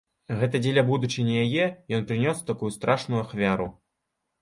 Гэта дзеля будучыні яе ён прынёс такую страшную ахвяру.